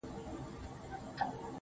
o پر جبين باندې لښکري پيدا کيږي.